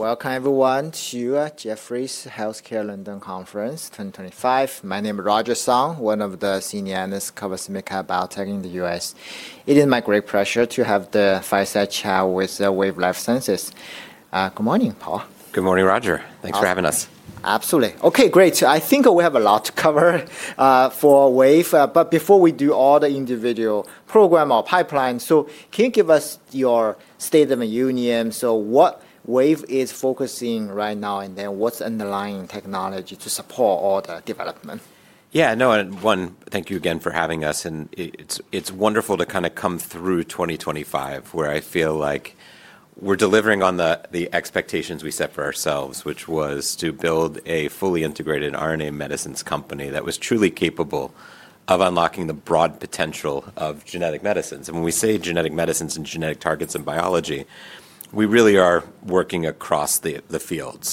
Welcome, everyone, to Jefferies Healthcare London Conference 2025. My name is Roger Song, one of the senior analysts covering biotech in the U.S. It is my great pleasure to have the fireside chat with Wave Life Sciences. Good morning, Paul. Good morning, Roger. Thanks for having us. Absolutely. Okay, great. I think we have a lot to cover for Wave. Before we do all the individual program or pipeline, can you give us your state of the union? What Wave is focusing on right now, and then what's underlying technology to support all the development? Yeah, no, and one, thank you again for having us. It's wonderful to kind of come through 2025, where I feel like we're delivering on the expectations we set for ourselves, which was to build a fully integrated RNA medicines company that was truly capable of unlocking the broad potential of genetic medicines. When we say genetic medicines and genetic targets and biology, we really are working across the field.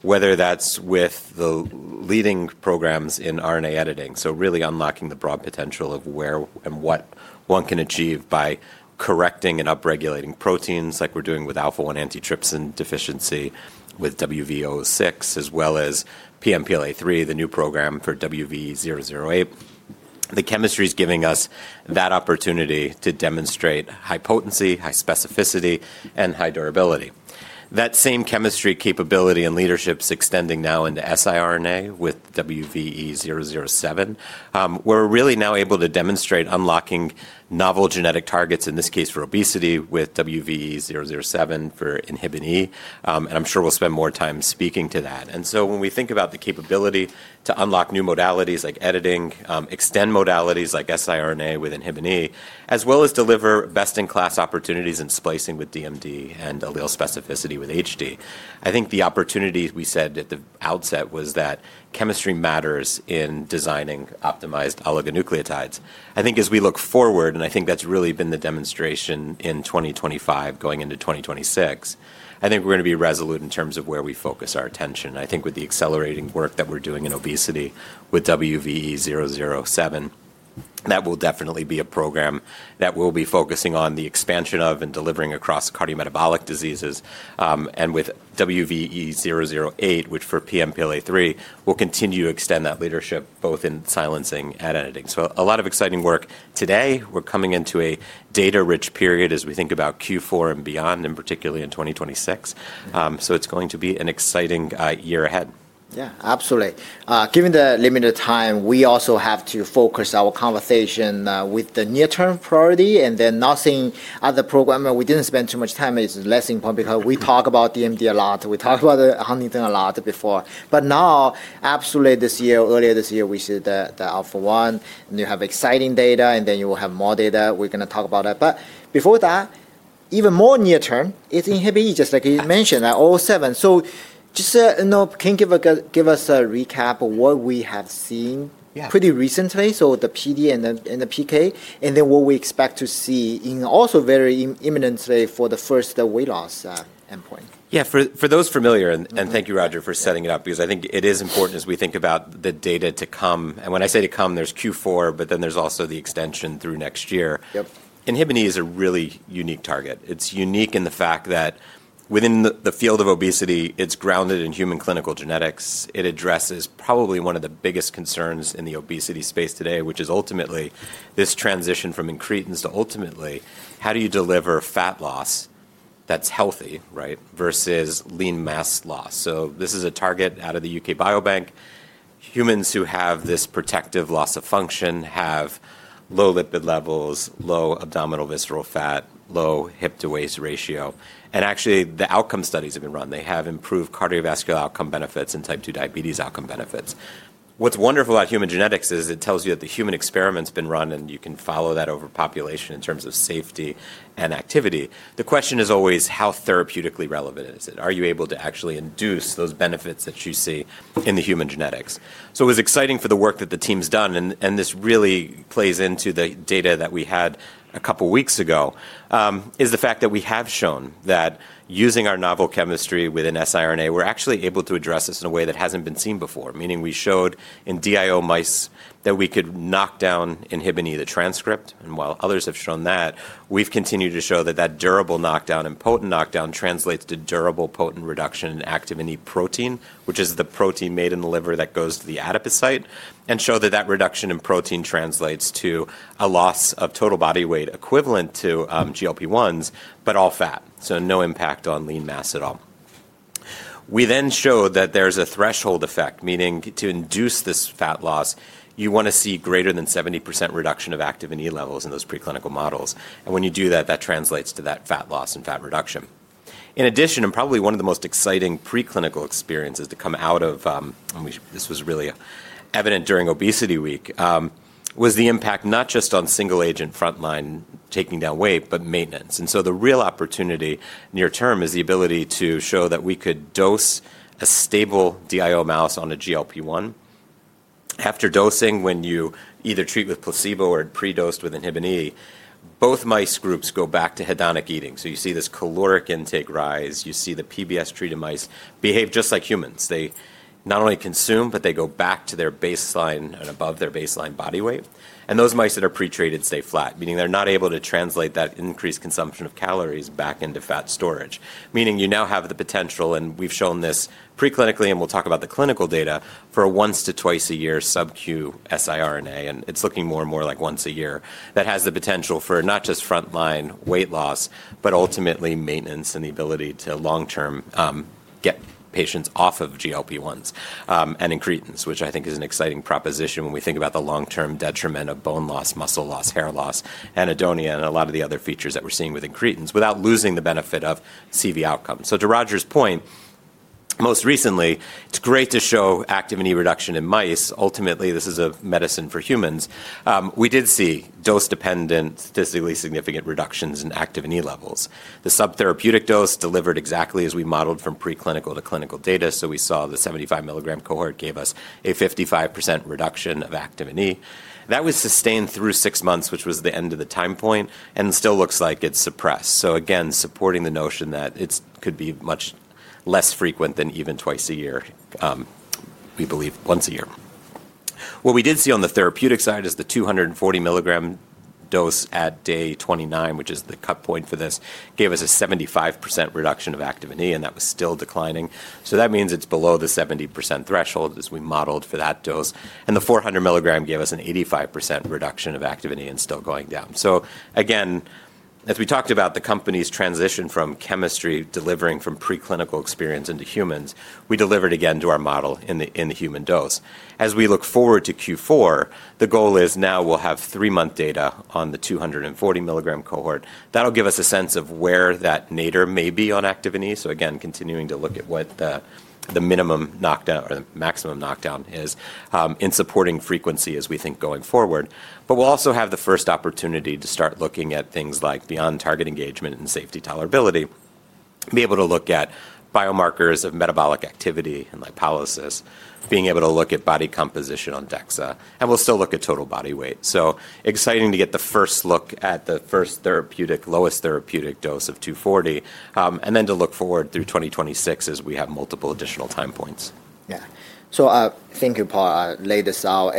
Whether that's with the leading programs in RNA editing, really unlocking the broad potential of where and what one can achieve by correcting and upregulating proteins like we're doing with alpha-1 antitrypsin deficiency with WVE-006, as well as PNPLA3, the new program for WVE-008. The chemistry is giving us that opportunity to demonstrate high potency, high specificity, and high durability. That same chemistry capability and leadership is extending now into siRNA with WVE-007. We're really now able to demonstrate unlocking novel genetic targets, in this case for obesity, with WVE-007 for inhibin E. I'm sure we'll spend more time speaking to that. When we think about the capability to unlock new modalities like editing, extend modalities like siRNA with inhibin E, as well as deliver best-in-class opportunities in splicing with DMD and allele specificity with HD, I think the opportunity we said at the outset was that chemistry matters in designing optimized oligonucleotides. I think as we look forward, and I think that's really been the demonstration in 2025 going into 2026, I think we're going to be resolute in terms of where we focus our attention. I think with the accelerating work that we're doing in obesity with WVE-007, that will definitely be a program that we'll be focusing on the expansion of and delivering across cardiometabolic diseases. With WVE-008, which for PNPLA3, we'll continue to extend that leadership both in silencing and editing. A lot of exciting work today. We're coming into a data-rich period as we think about Q4 and beyond, and particularly in 2026. It's going to be an exciting year ahead. Yeah, absolutely. Given the limited time, we also have to focus our conversation with the near-term priority. Nothing other program we did not spend too much time is less important because we talk about DMD a lot. We talk about Huntington a lot before. Now, absolutely, this year, earlier this year, we see the Alpha-1. You have exciting data, and you will have more data. We are going to talk about that. Before that, even more near-term, it is inhibin E, just like you mentioned, that all seven. Just can you give us a recap of what we have seen pretty recently, so the PD and the PK, and what we expect to see in also very imminently for the first weight loss endpoint? Yeah, for those familiar, and thank you, Roger, for setting it up, because I think it is important as we think about the data to come. When I say to come, there's Q4, but then there's also the extension through next year. Inhibin E is a really unique target. It's unique in the fact that within the field of obesity, it's grounded in human clinical genetics. It addresses probably one of the biggest concerns in the obesity space today, which is ultimately this transition from incretins to ultimately, how do you deliver fat loss that's healthy, right, versus lean mass loss? This is a target out of the UK Biobank. Humans who have this protective loss of function have low lipid levels, low abdominal visceral fat, low hip-to-waist ratio. Actually, the outcome studies have been run. They have improved cardiovascular outcome benefits and type 2 diabetes outcome benefits. What's wonderful about human genetics is it tells you that the human experiment's been run, and you can follow that over population in terms of safety and activity. The question is always, how therapeutically relevant is it? Are you able to actually induce those benefits that you see in the human genetics? It was exciting for the work that the team's done, and this really plays into the data that we had a couple of weeks ago, is the fact that we have shown that using our novel chemistry within siRNA, we're actually able to address this in a way that hasn't been seen before, meaning we showed in DIO mice that we could knock down inhibin E, the transcript. While others have shown that, we have continued to show that that durable knockdown and potent knockdown translates to durable, potent reduction in activin E protein, which is the protein made in the liver that goes to the adipocyte, and show that that reduction in protein translates to a loss of total body weight equivalent to GLP-1s, but all fat, so no impact on lean mass at all. We then showed that there is a threshold effect, meaning to induce this fat loss, you want to see greater than 70% reduction of activin E levels in those preclinical models. When you do that, that translates to that fat loss and fat reduction. In addition, and probably one of the most exciting preclinical experiences to come out of, and this was really evident during obesity week, was the impact not just on single-agent frontline taking down weight, but maintenance. The real opportunity near-term is the ability to show that we could dose a stable DIO mouse on a GLP-1. After dosing, when you either treat with placebo or pre-dosed with inhibin E, both mice groups go back to hedonic eating. You see this caloric intake rise. You see the PBS treated mice behave just like humans. They not only consume, but they go back to their baseline and above their baseline body weight. Those mice that are pretreated stay flat, meaning they're not able to translate that increased consumption of calories back into fat storage, meaning you now have the potential, and we've shown this preclinically, and we'll talk about the clinical data, for a once to twice a year sub-Q siRNA. It is looking more and more like once a year that has the potential for not just frontline weight loss, but ultimately maintenance and the ability to long-term get patients off of GLP-1s and incretins, which I think is an exciting proposition when we think about the long-term detriment of bone loss, muscle loss, hair loss, anhedonia, and a lot of the other features that we are seeing with incretins without losing the benefit of CV outcomes. To Roger's point, most recently, it is great to show activin E reduction in mice. Ultimately, this is a medicine for humans. We did see dose-dependent, statistically significant reductions in activin E levels. The subtherapeutic dose delivered exactly as we modeled from preclinical to clinical data. We saw the 75 mg cohort gave us a 55% reduction of activin E. That was sustained through six months, which was the end of the time point, and still looks like it's suppressed. Again, supporting the notion that it could be much less frequent than even twice a year, we believe once a year. What we did see on the therapeutic side is the 240 mg dose at day 29, which is the cut point for this, gave us a 75% reduction of activin E, and that was still declining. That means it's below the 70% threshold as we modeled for that dose. The 400 mg gave us an 85% reduction of activin E and still going down. Again, as we talked about the company's transition from chemistry delivering from preclinical experience into humans, we delivered again to our model in the human dose. As we look forward to Q4, the goal is now we'll have three-month data on the 240 mg cohort. That'll give us a sense of where that nadir may be on activin E. Again, continuing to look at what the minimum knockdown or the maximum knockdown is in supporting frequency as we think going forward. We'll also have the first opportunity to start looking at things like beyond target engagement and safety tolerability, be able to look at biomarkers of metabolic activity and lipolysis, being able to look at body composition on DEXA. We'll still look at total body weight. Exciting to get the first look at the first therapeutic, lowest therapeutic dose of 240, and then to look forward through 2026 as we have multiple additional time points. Yeah. Thank you, Paul, lay this out.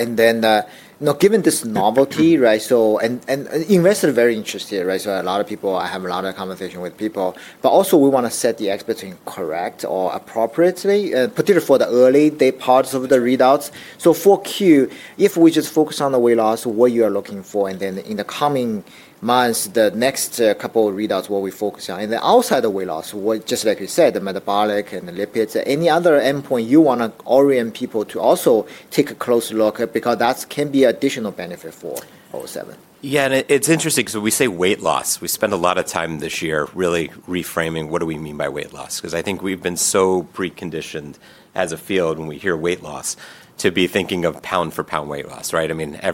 Given this novelty, right, investors are very interested, right? A lot of people, I have a lot of conversation with people, but also we want to set the expertise correct or appropriately, particularly for the early day parts of the readouts. For Q, if we just focus on the weight loss, what you are looking for, and in the coming months, the next couple of readouts, what we focus on. Outside the weight loss, just like you said, the metabolic and the lipids, any other endpoint you want to orient people to also take a close look because that can be additional benefit for all seven. Yeah, and it's interesting because when we say weight loss, we spend a lot of time this year really reframing what do we mean by weight loss. Because I think we've been so preconditioned as a field when we hear weight loss to be thinking of pound-for-pound weight loss, right? I mean, I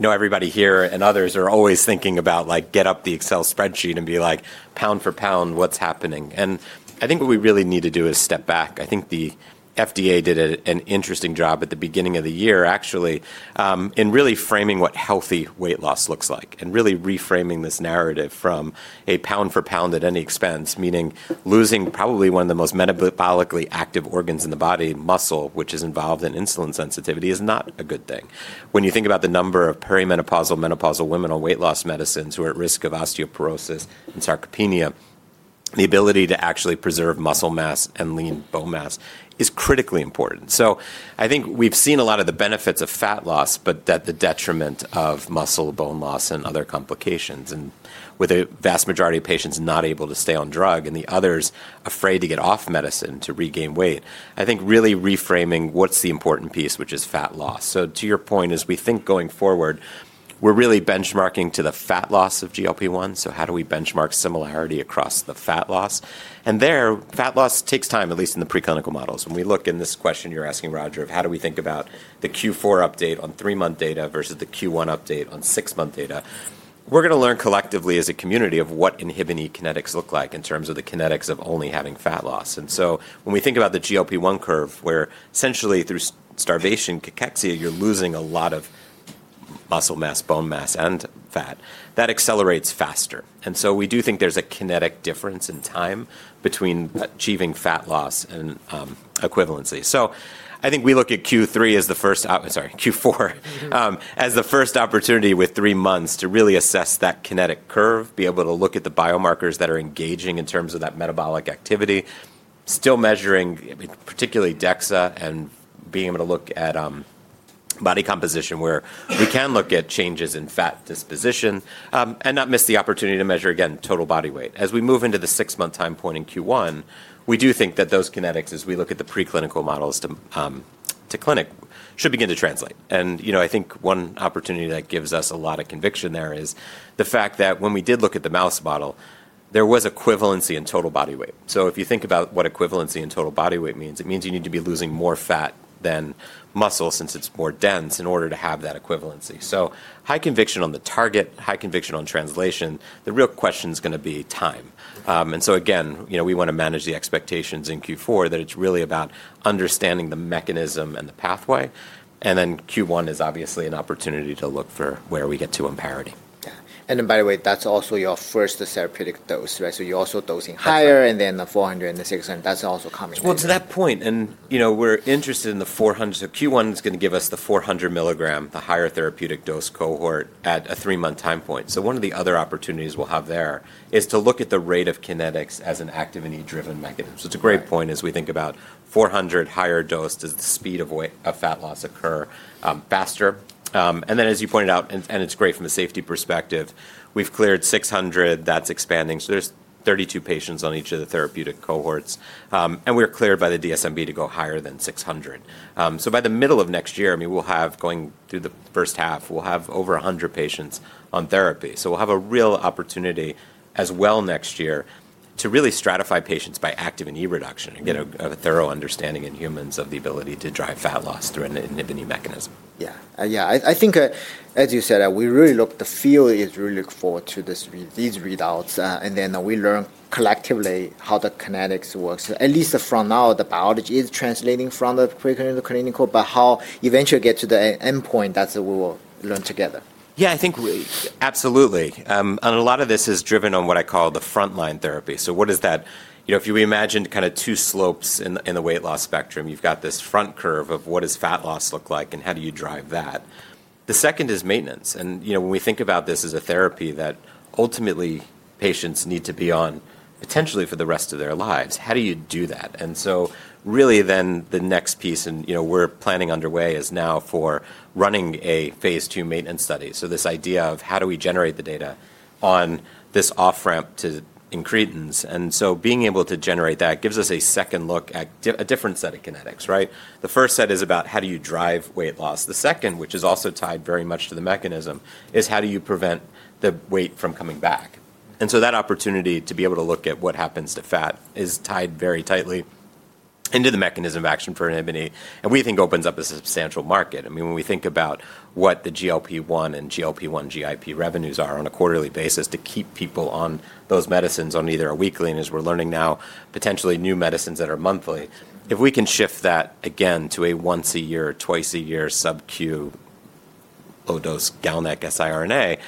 know everybody here and others are always thinking about, like, get up the Excel spreadsheet and be like, pound-for-pound, what's happening? I think what we really need to do is step back. I think the FDA did an interesting job at the beginning of the year, actually, in really framing what healthy weight loss looks like and really reframing this narrative from a pound-for-pound at any expense, meaning losing probably one of the most metabolically active organs in the body, muscle, which is involved in insulin sensitivity, is not a good thing. When you think about the number of perimenopausal, menopausal women on weight loss medicines who are at risk of osteoporosis and sarcopenia, the ability to actually preserve muscle mass and lean bone mass is critically important. I think we've seen a lot of the benefits of fat loss, but at the detriment of muscle, bone loss, and other complications. With a vast majority of patients not able to stay on drug and the others afraid to get off medicine to regain weight, I think really reframing what's the important piece, which is fat loss. To your point, as we think going forward, we're really benchmarking to the fat loss of GLP-1. How do we benchmark similarity across the fat loss? There, fat loss takes time, at least in the preclinical models. When we look in this question you're asking, Roger, of how do we think about the Q4 update on three-month data versus the Q1 update on six-month data, we're going to learn collectively as a community of what inhibin E kinetics look like in terms of the kinetics of only having fat loss. When we think about the GLP-1 curve, where essentially through starvation, cachexia, you're losing a lot of muscle mass, bone mass, and fat, that accelerates faster. We do think there's a kinetic difference in time between achieving fat loss and equivalency. I think we look at Q3 as the first, sorry, Q4 as the first opportunity with three months to really assess that kinetic curve, be able to look at the biomarkers that are engaging in terms of that metabolic activity, still measuring particularly DEXA and being able to look at body composition where we can look at changes in fat disposition and not miss the opportunity to measure, again, total body weight. As we move into the six-month time point in Q1, we do think that those kinetics, as we look at the preclinical models to clinic, should begin to translate. I think one opportunity that gives us a lot of conviction there is the fact that when we did look at the mouse model, there was equivalency in total body weight. If you think about what equivalency in total body weight means, it means you need to be losing more fat than muscle since it's more dense in order to have that equivalency. High conviction on the target, high conviction on translation. The real question is going to be time. Again, we want to manage the expectations in Q4 that it's really about understanding the mechanism and the pathway. Q1 is obviously an opportunity to look for where we get to imparity. Yeah. By the way, that's also your first therapeutic dose, right? You're also dosing higher and then the 400 mg and the 600 mg. That's also coming. To that point, and we're interested in the 400 mg. Q1 is going to give us the 400-mg, the higher therapeutic dose cohort at a three-month time point. One of the other opportunities we'll have there is to look at the rate of kinetics as an activin E-driven mechanism. It is a great point as we think about 400 mg higher dose as the speed of fat loss occur faster. As you pointed out, and it's great from a safety perspective, we've cleared 600 mg. That's expanding. There are 32 patients on each of the therapeutic cohorts. We're cleared by the DSMB to go higher than 600 mg. By the middle of next year, I mean, we'll have going through the first half, we'll have over 100 patients on therapy. We'll have a real opportunity as well next year to really stratify patients by activin E reduction and get a thorough understanding in humans of the ability to drive fat loss through an inhibin E mechanism. Yeah. Yeah. I think, as you said, we really look to feel is really look forward to these readouts. And we learn collectively how the kinetics works. At least for now, the biology is translating from the preclinical, but how eventually get to the endpoint, that's what we will learn together. Yeah, I think absolutely. A lot of this is driven on what I call the frontline therapy. What is that? If you imagine kind of two slopes in the weight loss spectrum, you have this front curve of what does fat loss look like and how do you drive that. The second is maintenance. When we think about this as a therapy that ultimately patients need to be on potentially for the rest of their lives, how do you do that? Really then the next piece, and we are planning underway, is now for running a phase two maintenance study. This idea of how do we generate the data on this off-ramp to incretins. Being able to generate that gives us a second look at a different set of kinetics, right? The first set is about how do you drive weight loss. The second, which is also tied very much to the mechanism, is how do you prevent the weight from coming back? That opportunity to be able to look at what happens to fat is tied very tightly into the mechanism of action for inhibin E. I mean, we think opens up a substantial market. I mean, when we think about what the GLP-1 and GLP-1 GIP revenues are on a quarterly basis to keep people on those medicines on either a weekly, and as we're learning now, potentially new medicines that are monthly, if we can shift that again to a once a year, twice a year sub-Q low-dose GalNAc-siRNA,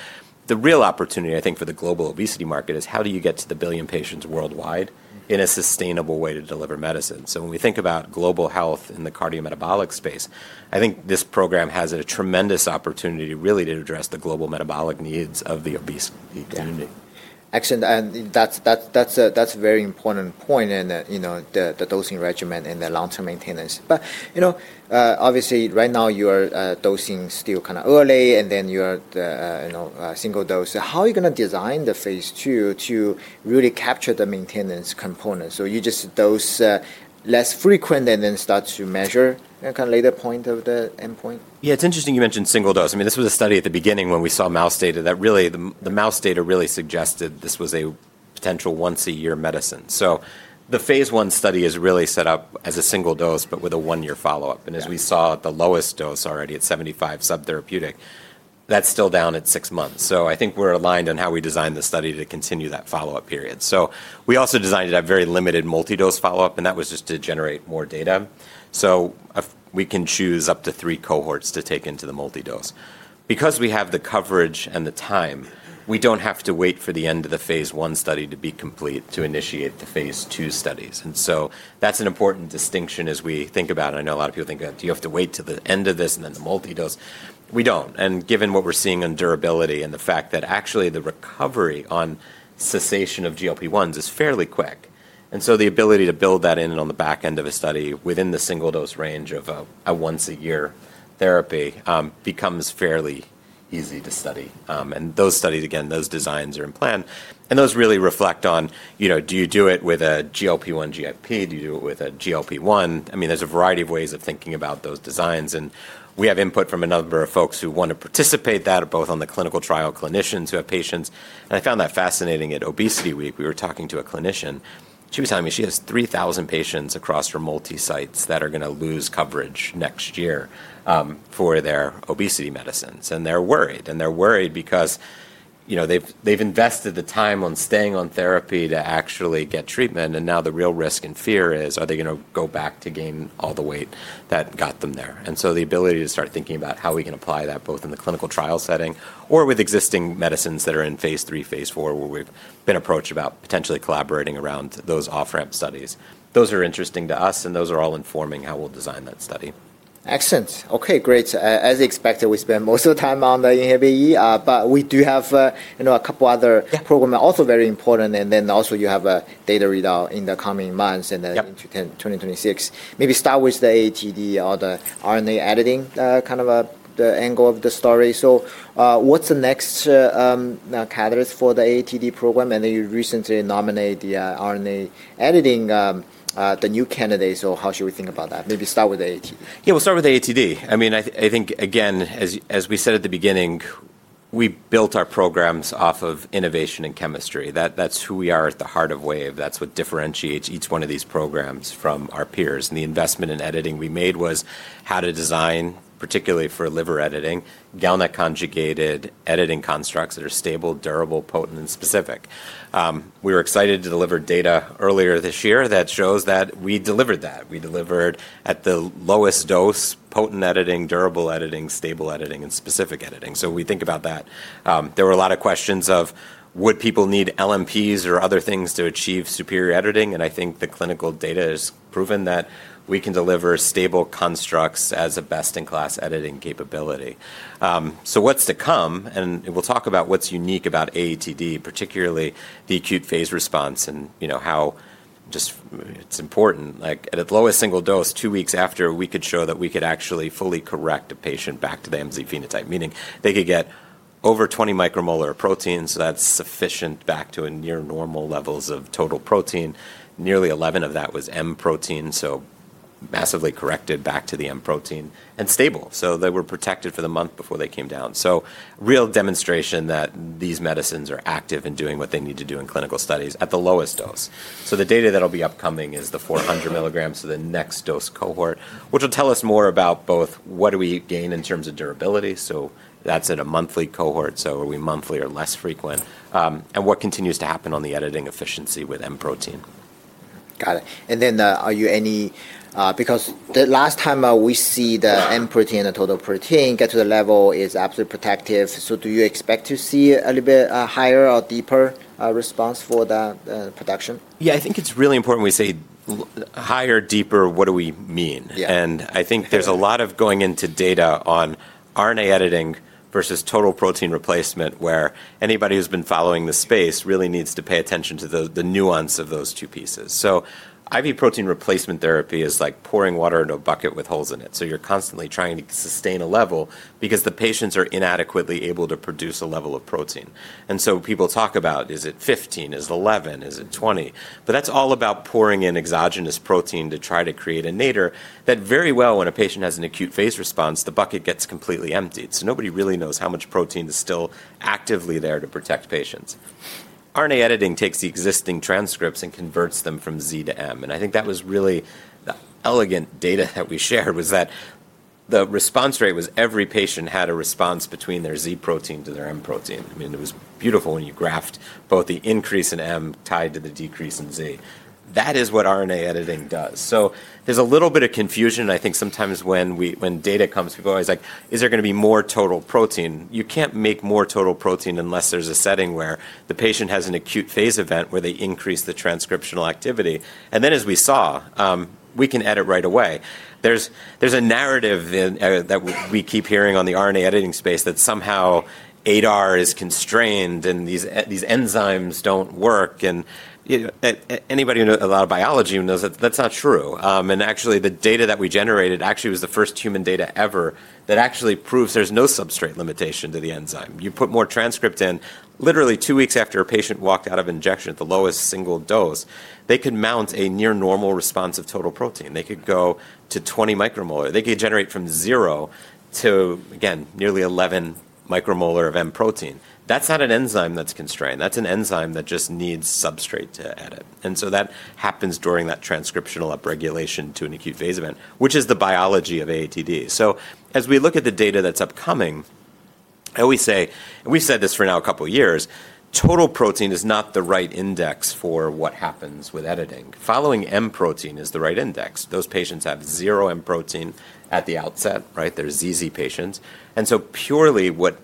the real opportunity, I think, for the global obesity market is how do you get to the billion patients worldwide in a sustainable way to deliver medicine? When we think about global health in the cardiometabolic space, I think this program has a tremendous opportunity really to address the global metabolic needs of the obese community. Excellent. That is a very important point in the dosing regimen and the long-term maintenance. Obviously, right now you are dosing still kind of early, and then you are single dose. How are you going to design the phase two to really capture the maintenance component? You just dose less frequent and then start to measure at kind of later point of the endpoint? Yeah, it's interesting you mentioned single dose. I mean, this was a study at the beginning when we saw mouse data that really the mouse data really suggested this was a potential once a year medicine. The phase one study is really set up as a single dose, but with a one-year follow-up. As we saw, the lowest dose already at 75 subtherapeutic, that's still down at six months. I think we're aligned on how we design the study to continue that follow-up period. We also designed it at very limited multi-dose follow-up, and that was just to generate more data. We can choose up to three cohorts to take into the multi-dose. Because we have the coverage and the time, we don't have to wait for the end of the phase one study to be complete to initiate the phase two studies. That is an important distinction as we think about it. I know a lot of people think, do you have to wait to the end of this and then the multi-dose? We do not. Given what we are seeing on durability and the fact that actually the recovery on cessation of GLP-1s is fairly quick, the ability to build that in on the back end of a study within the single dose range of a once-a-year therapy becomes fairly easy to study. Those studies, again, those designs are in plan. Those really reflect on, do you do it with a GLP-1 GIP? Do you do it with a GLP-1? I mean, there is a variety of ways of thinking about those designs. We have input from a number of folks who want to participate that are both on the clinical trial clinicians who have patients. I found that fascinating at Obesity Week. We were talking to a clinician. She was telling me she has 3,000 patients across her multi-sites that are going to lose coverage next year for their obesity medicines. They are worried. They are worried because they have invested the time on staying on therapy to actually get treatment. Now the real risk and fear is, are they going to go back to gain all the weight that got them there? The ability to start thinking about how we can apply that both in the clinical trial setting or with existing medicines that are in phase three, phase four, where we have been approached about potentially collaborating around those off-ramp studies, those are interesting to us, and those are all informing how we will design that study. Excellent. Okay, great. As expected, we spend most of the time on the inhibin E, but we do have a couple other programs, also very important. You have a data readout in the coming months and then into 2026. Maybe start with the AATD or the RNA editing kind of the angle of the story. What's the next catalyst for the AATD program? You recently nominated the RNA editing, the new candidate. How should we think about that? Maybe start with the AATD. Yeah, we'll start with the AATD. I mean, I think, again, as we said at the beginning, we built our programs off of innovation and chemistry. That's who we are at the heart of Wave. That's what differentiates each one of these programs from our peers. The investment in editing we made was how to design, particularly for liver editing, GalNAc conjugated editing constructs that are stable, durable, potent, and specific. We were excited to deliver data earlier this year that shows that we delivered that. We delivered at the lowest dose, potent editing, durable editing, stable editing, and specific editing. We think about that. There were a lot of questions of, would people need LNPs or other things to achieve superior editing? I think the clinical data has proven that we can deliver stable constructs as a best-in-class editing capability. What's to come? We will talk about what is unique about AATD, particularly the acute phase response and how just it is important. At its lowest single dose, two weeks after, we could show that we could actually fully correct a patient back to the MZ phenotype, meaning they could get over 20 micromolar of protein. That is sufficient back to near normal levels of total protein. Nearly 11 of that was M protein, so massively corrected back to the M protein and stable. They were protected for the month before they came down. Real demonstration that these medicines are active and doing what they need to do in clinical studies at the lowest dose. The data that will be upcoming is the 400 mg of the next dose cohort, which will tell us more about both what we gain in terms of durability. That is in a monthly cohort. Are we monthly or less frequent? What continues to happen on the editing efficiency with M protein? Got it. Are you any, because the last time we see the M protein and the total protein get to the level, is absolutely protective. Do you expect to see a little bit higher or deeper response for the production? Yeah, I think it's really important we say higher, deeper, what do we mean? I think there's a lot of going into data on RNA editing versus total protein replacement where anybody who's been following the space really needs to pay attention to the nuance of those two pieces. IV protein replacement therapy is like pouring water into a bucket with holes in it. You're constantly trying to sustain a level because the patients are inadequately able to produce a level of protein. People talk about, is it 15, is it 11, is it 20? That's all about pouring in exogenous protein to try to create a nadir that very well when a patient has an acute phase response, the bucket gets completely emptied. Nobody really knows how much protein is still actively there to protect patients. RNA editing takes the existing transcripts and converts them from Z to M. I think that was really the elegant data that we shared, that the response rate was every patient had a response between their Z protein to their M protein. I mean, it was beautiful when you graft both the increase in M tied to the decrease in Z. That is what RNA editing does. There is a little bit of confusion. I think sometimes when data comes, people are always like, is there going to be more total protein? You cannot make more total protein unless there is a setting where the patient has an acute phase event where they increase the transcriptional activity. As we saw, we can edit right away. There is a narrative that we keep hearing on the RNA editing space that somehow ADAR is constrained and these enzymes do not work. Anybody who knows a lot of biology knows that that's not true. Actually, the data that we generated actually was the first human data ever that actually proves there's no substrate limitation to the enzyme. You put more transcript in literally two weeks after a patient walked out of injection at the lowest single dose, they could mount a near normal response of total protein. They could go to 20 micromolar. They could generate from zero to, again, nearly 11 micromolar of M protein. That's not an enzyme that's constrained. That's an enzyme that just needs substrate to edit. That happens during that transcriptional upregulation to an acute phase event, which is the biology of AATD. As we look at the data that's upcoming, I always say, and we've said this for now a couple of years, total protein is not the right index for what happens with editing. Following M protein is the right index. Those patients have zero M protein at the outset, right? They're ZZ patients. Purely what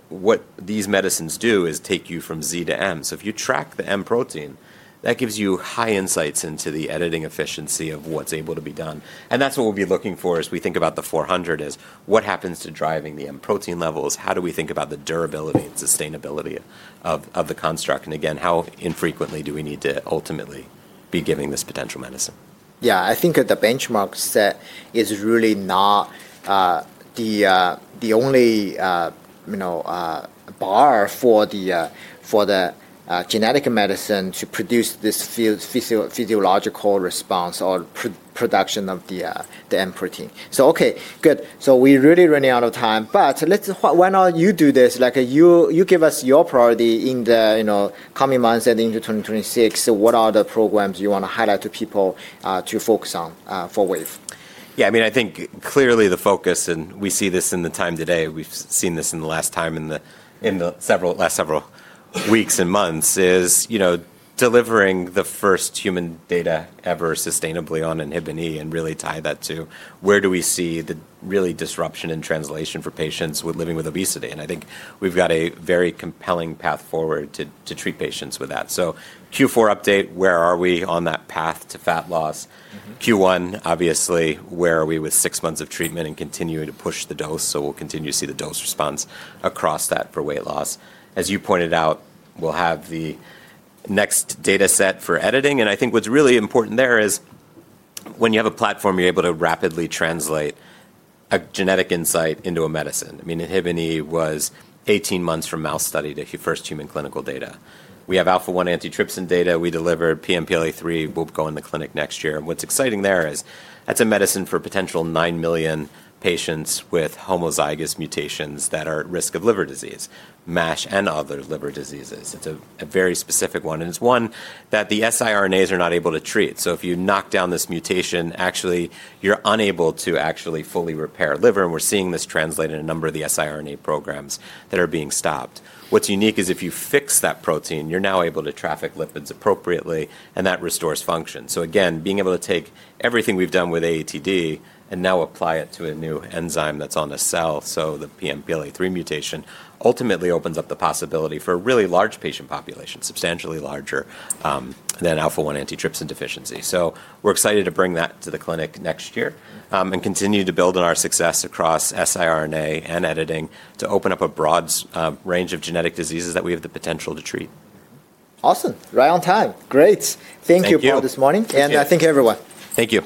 these medicines do is take you from Z to M. If you track the M protein, that gives you high insights into the editing efficiency of what's able to be done. That's what we'll be looking for as we think about the 400 mg is what happens to driving the M protein levels. How do we think about the durability and sustainability of the construct? Again, how infrequently do we need to ultimately be giving this potential medicine? Yeah, I think that the benchmark set is really not the only bar for the genetic medicine to produce this physiological response or production of the M protein. Okay, good. We really run out of time, but why don't you do this? You give us your priority in the coming months and into 2026. What are the programs you want to highlight to people to focus on for Wave? Yeah, I mean, I think clearly the focus, and we see this in the time today. We've seen this in the last time in the last several weeks and months is delivering the first human data ever sustainably on inhibin E and really tie that to where do we see the really disruption in translation for patients living with obesity. I think we've got a very compelling path forward to treat patients with that. Q4 update, where are we on that path to fat loss? Q1, obviously, where are we with six months of treatment and continuing to push the dose? We'll continue to see the dose response across that for weight loss. As you pointed out, we'll have the next data set for editing. I think what's really important there is when you have a platform, you're able to rapidly translate a genetic insight into a medicine. I mean, inhibin E was 18 months from mouse study to first human clinical data. We have Alpha-1 antitrypsin data. We delivered PNPLA3. We'll go in the clinic next year. What's exciting there is that's a medicine for potential 9 million patients with homozygous mutations that are at risk of liver disease, MASH and other liver diseases. It's a very specific one. It's one that the siRNAs are not able to treat. If you knock down this mutation, actually you're unable to actually fully repair liver. We're seeing this translate in a number of the siRNA programs that are being stopped. What's unique is if you fix that protein, you're now able to traffic lipids appropriately, and that restores function. Again, being able to take everything we've done with AATD and now apply it to a new enzyme that's on a cell. The PNPLA3 mutation ultimately opens up the possibility for a really large patient population, substantially larger than alpha-1 antitrypsin deficiency. We're excited to bring that to the clinic next year and continue to build on our success across siRNA and editing to open up a broad range of genetic diseases that we have the potential to treat. Awesome. Right on time. Great. Thank you for this morning. I thank everyone. Thank you.